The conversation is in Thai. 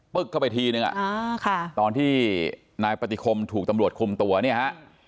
เข้าไปทีนึงตอนที่นายปฏิคมถูกตำรวจคุมตัวเนี่ยฮะ